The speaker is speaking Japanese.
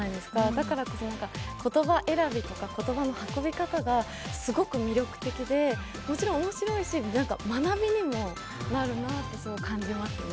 だからこそ、言葉選びとか言葉の運び方がすごく魅力的で、もちろん面白いし学びにもなるなとすごく感じますね。